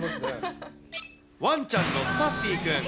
わんちゃんのスタッフィーくん。